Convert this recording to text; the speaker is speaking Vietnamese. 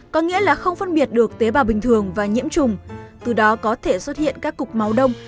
có nghĩa là không phân biệt được tế bào bình thường và nhiễm trùng từ đó có thể xuất hiện các cục máu đông